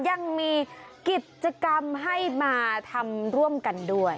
ยังมีกิจกรรมให้มาทำร่วมกันด้วย